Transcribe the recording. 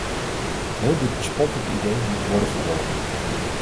Heel dit bespottelijke idee moet worden verworpen!